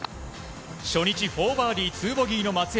初日４バーディー２ボギーの松山。